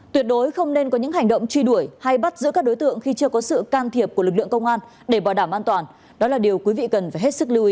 tuyệt đối không nên có những hành động truy đuổi hay bắt giữ các đối tượng khi chưa có sự can thiệp của lực lượng công an để bảo đảm an toàn đó là điều quý vị cần phải hết sức lưu ý